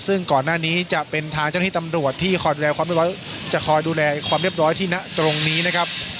ซึ่งก่อนหน้านี้จะเป็นทางเจ้าหน้าที่ตำรวจที่คอยดูแลความเรียบร้อยที่นั่นตรงนี้นะครับ